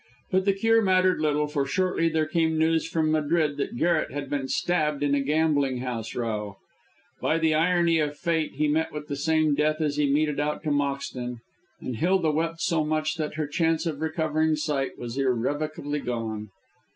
But the cure mattered little, for shortly there came news from Madrid that Garret had been stabbed in a gambling house row. By the irony of fate he met with the same death as he had meted out to Moxton, and Hilda wept so much that her chance of recovering sight was irrevocably gone.